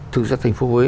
thực ra thành phố huế